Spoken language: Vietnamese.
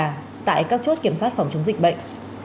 và tại các chốt kiểm soát phòng chống dịch bệnh